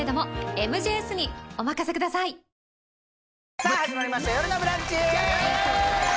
さあ始まりました「よるのブランチ」